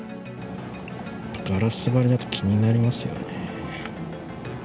ガラス張りだと気になりますよね。